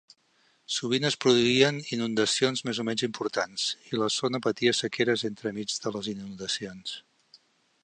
Sovint es produïen inundacions més o menys importants, i la zona patia sequeres entremig de les inundacions.